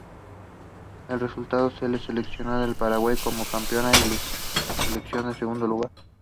Resultando la selección de Paraguay como campeona y la selección local en segundo lugar.